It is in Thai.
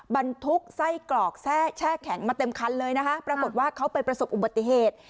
บรรทุกไส้กรอกแช่แข็งมาเต็มคันเลยนะคะปรากฏว่าเขาไปประสบอุบัติเหตุ